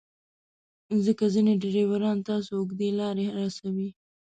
ځکه ځینې ډریوران تاسو اوږدې لارې رسوي.